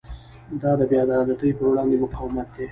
دا د بې عدالتۍ پر وړاندې مقاومت دی.